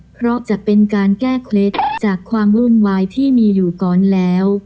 เพราะจะเป็นการแก้เคล็ดจากความวุ่นวายที่มีอยู่ก่อนแล้ว